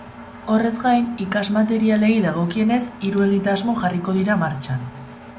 Horrez gain, ikas-materialei dagokienez hiru egitasmo jarriko dira martxan.